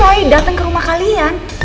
mau ngapain roy datang ke rumah kalian